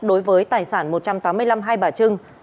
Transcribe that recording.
đối với tài sản một trăm tám mươi năm hai bà trưng